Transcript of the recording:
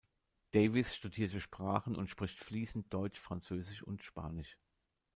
Davis studierte Sprachen und spricht fließend Deutsch, Französisch und Spanisch.